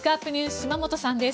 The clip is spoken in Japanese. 島本さんです。